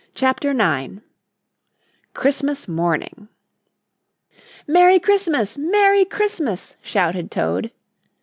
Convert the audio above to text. CHAPTER IX CHRISTMAS MORNING "Merry Christmas! Merry Christmas!" shouted Toad.